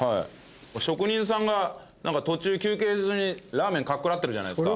職人さんが途中休憩中にラーメンかっ食らってるじゃないですか。